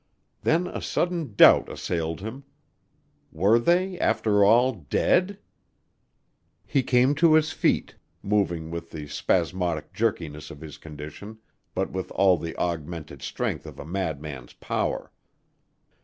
Then a sudden doubt assailed him. Were they, after all, dead? He came to his foot, moving with the spasmodic jerkiness of his condition, but with all the augmented strength of a madman's power.